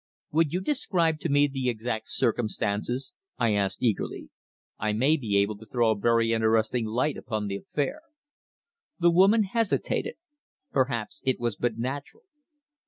"Would you describe to me the exact circumstances?" I asked eagerly. "I may be able to throw a very interesting light upon the affair." The woman hesitated. Perhaps it was but natural.